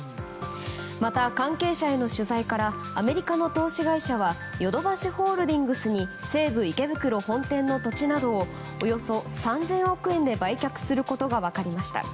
また関係者への取材からアメリカの投資会社はヨドバシホールディングスに西武池袋本店の土地などをおよそ３０００億円で売却することが分かりました。